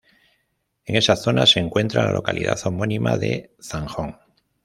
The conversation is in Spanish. En esa zona se encuentra la localidad homónima de Zanjón.